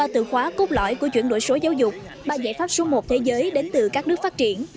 ba từ khóa cốt lõi của chuyển đổi số giáo dục ba giải pháp số một thế giới đến từ các nước phát triển